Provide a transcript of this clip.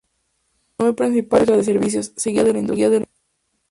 Su economía principal es la de servicios, seguida de la industria.